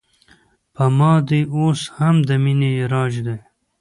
په ما دې اوس هم د مینې راج دی